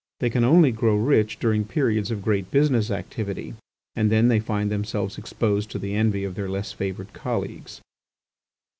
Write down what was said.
They can only grow rich during periods of great business activity and then they find themselves exposed to the envy of their less favoured colleagues.